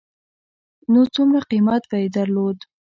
نو څومره قېمت به مې درلود.